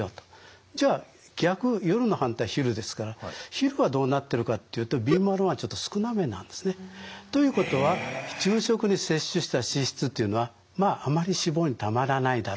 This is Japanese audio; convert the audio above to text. じゃあ逆夜の反対昼ですから昼はどうなってるかっていうとビーマル１ちょっと少なめなんですね。ということは昼食に摂取した脂質というのはまああまり脂肪に貯まらないだろうと。